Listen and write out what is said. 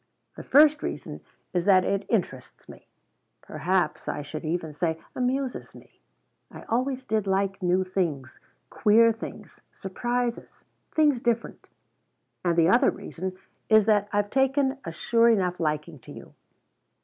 The first reason is that it interests me; perhaps I should even say amuses me. I always did like new things queer things surprises things different. And the other reason is that I've taken a sure enough liking to you."